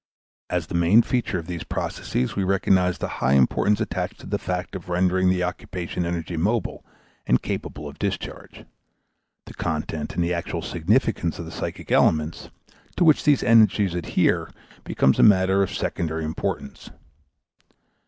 As the main feature of these processes we recognize the high importance attached to the fact of rendering the occupation energy mobile and capable of discharge; the content and the actual significance of the psychic elements, to which these energies adhere, become a matter of secondary importance.